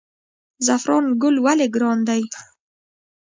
زعفران ګل ولې ګران دی؟